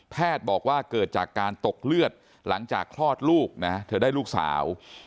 บอกว่าเกิดจากการตกเลือดหลังจากคลอดลูกนะเธอได้ลูกสาว